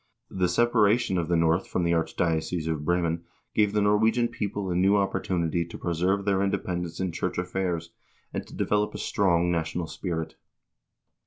The separation of the North from the archdiocese of Bremen gave the Norwegian people a new opportunity to preserve their independence in church affairs, and to develop a strong national spirit.